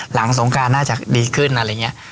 หลังสงการน่าจะดีขึ้นนะครับ